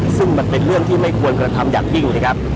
ซึ่งมันเป็นเรื่องที่ไม่ควรกระทำอย่างยิ่งนะครับ